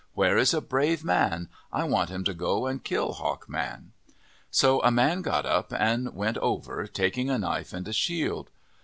Where is a brave man ? I want him to go and kill Hawk Man." So a man got up and went over, taking a knife and a shield.